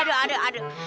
aduh aduh aduh